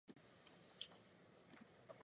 The show was produced by Canal Famille.